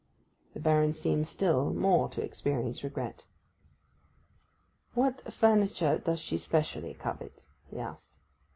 The Baron seemed still more to experience regret. 'What furniture does she specially covet?' he asked.